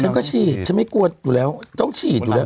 ฉันก็ฉีดฉันไม่กลัวอยู่แล้วต้องฉีดอยู่แล้ว